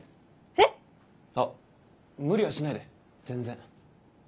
えっ⁉あっ無理はしないで全然。